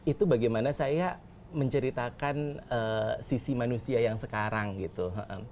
itu bagaimana saya menceritakan sisi manusia yang sekarang gitu